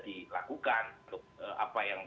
dilakukan untuk apa yang